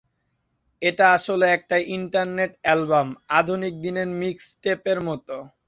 এটা আসলে একটা ইন্টারনেট অ্যালবাম, আধুনিক দিনের মিক্সটেপের মতো।